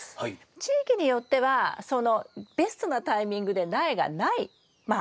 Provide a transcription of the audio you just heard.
地域によってはそのベストなタイミングで苗がないまあ